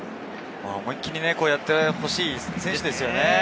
思いっきりやってほしい選手ですよね。